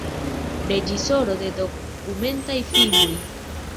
Reĝisoro de dokumentaj filmoj.